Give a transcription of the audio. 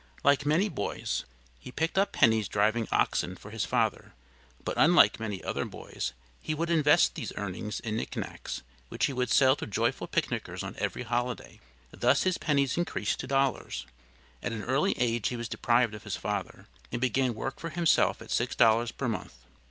Like many boys, he picked up pennies driving oxen for his father, but unlike many other boys he would invest these earnings in nick nacks which he would sell to joyful picknickers on every holiday, thus his pennies increased to dollars. At an early age he was deprived of his father, and began work for himself at six dollars per month.